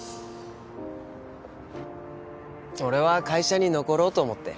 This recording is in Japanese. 俺は会社に残ろうと思って。